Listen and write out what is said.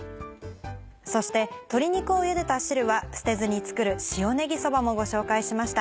そして鶏肉をゆでた汁は捨てずに作る「塩ねぎそば」もご紹介しました。